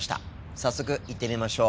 早速行ってみましょう。